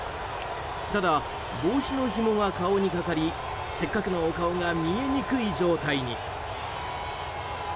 ただ、帽子のひもが顔にかかりせっかくのお顔が見えにくい状態に。